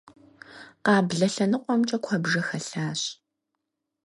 Къаблэ лъэныкъуэмкӀэ куэбжэ хэлъащ.